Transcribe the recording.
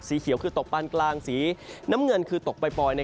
เขียวคือตกปานกลางสีน้ำเงินคือตกปล่อย